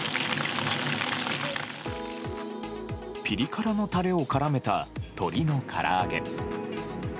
ピリ辛のタレを絡めた鶏のから揚げ。